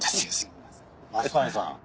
増谷さん